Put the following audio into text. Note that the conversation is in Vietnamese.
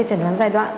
chẩn đoán giai đoạn